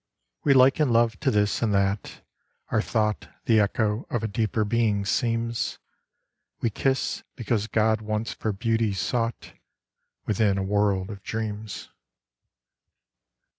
We liken love to this and that ; our thought The echo of a deeper being seems : We kiss, because God once for beauty sought Within a world of dreams.